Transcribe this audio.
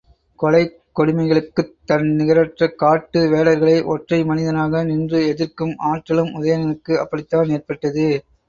கொலைக் கொடுமைகளுக்குத் தன்நிகரற்ற காட்டு வேடர்களை ஒற்றை மனிதனாக நின்று எதிர்க்கும் ஆற்றலும் உதயணனுக்கு அப்படித்தான் ஏற்பட்டது.